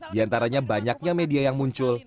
diantaranya banyaknya media yang muncul